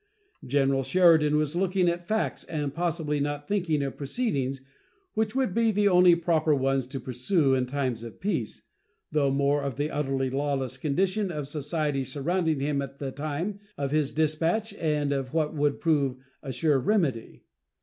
General Sheridan was looking at facts, and possibly, not thinking of proceedings which would be the only proper ones to pursue in time of peace, thought more of the utterly lawless condition of society surrounding him at the time of his dispatch and of what would prove a sure remedy.